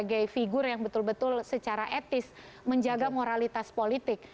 sebagai figur yang betul betul secara etis menjaga moralitas politik